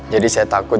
jadi saya takut